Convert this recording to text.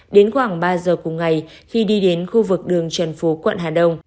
đến khoảng ba giờ cùng ngày khi đi đến khu vực đường trần phú quận hà đông